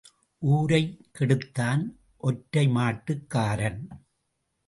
ஊரைக் கெடுத்தான் ஒற்றை மாட்டுக்காரன்.